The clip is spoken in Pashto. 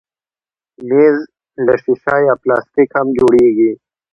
مېز له ښيښه یا پلاستیک هم جوړېږي.